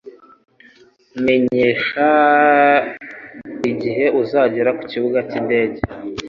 Menyesha igihe uzagera kukibuga cyindege.